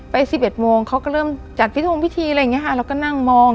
ไปสิบเอ็ดโมงเขาก็เริ่มจัดพิธีอะไรอย่างเงี้ยค่ะเราก็นั่งมอง